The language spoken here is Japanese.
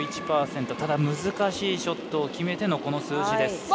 ただ難しいショットを決めてのこの数字です。